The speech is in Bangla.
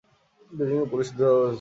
বেইজিংয়ে পোলিশ দূতাবাস অবস্থিত।